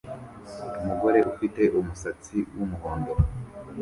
Umugore ufite umusatsi wumuhondo